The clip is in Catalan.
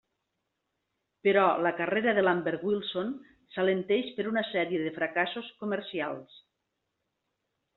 Però la carrera de Lambert Wilson s'alenteix per una sèrie de fracassos comercials.